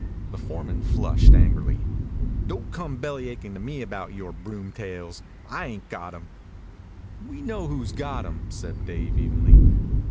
The foreman flushed angrily. "Don't come bellyachin' to me about yore broomtails. I ain't got 'em." "We know who's got 'em," said Dave evenly.